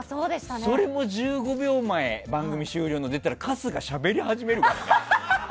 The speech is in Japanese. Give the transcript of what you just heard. それも１５秒前番組終了前になっても春日はしゃべり始めるからね。